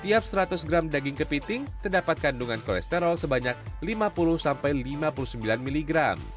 setiap seratus gram daging kepiting terdapat kandungan kolesterol sebanyak lima puluh lima puluh sembilan mg